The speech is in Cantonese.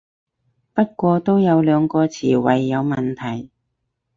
不過都有兩個詞彙有問題